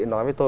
nói với tôi